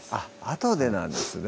あとでなんですね